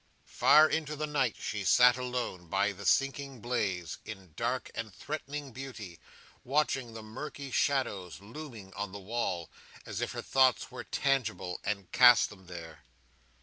Far into the night she sat alone, by the sinking blaze, in dark and threatening beauty, watching the murky shadows looming on the wall, as if her thoughts were tangible, and cast them there.